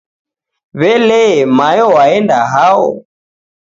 Welee, mayo waenda hao?